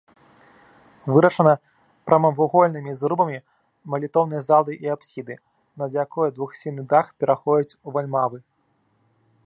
Вырашана прамавугольнымі зрубамі малітоўнай залы і апсіды, над якой двухсхільны дах пераходзіць у вальмавы.